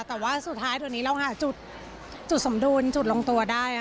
แต่ว่าสุดท้ายเดี๋ยวนี้เราหาจุดสมดุลจุดลงตัวได้